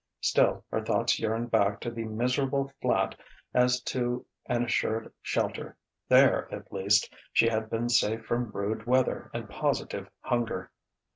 Still, her thoughts yearned back to the miserable flat as to an assured shelter: there, at least, she had been safe from rude weather and positive hunger.